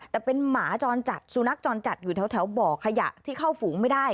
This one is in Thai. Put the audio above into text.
แต่เป็นหมาจรจัดสุนัขจรจัดอยู่แถวบ่อขยะที่เข้าฝูงไม่ได้